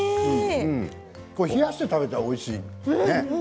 冷やして食べたらおいしいね。